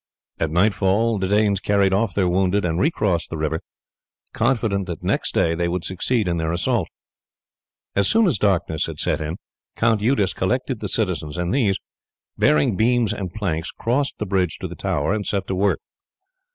At nightfall the Danes carried off their wounded and recrossed the river, confident that next day they would succeed in their assault. As soon as darkness had set in Count Eudes collected the citizens, and these, bearing beams and planks, crossed the bridge to the tower, and set to work.